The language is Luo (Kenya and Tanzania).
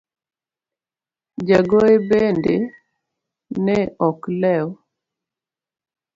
Jagoye bende ne ok lew.